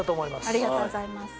ありがとうございます。